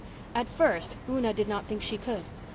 At first Una did not think she could.